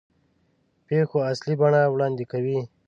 پېښو اصلي بڼه وړاندې کوي.